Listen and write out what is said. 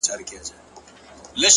لوړ لید د امکاناتو افق پراخوي!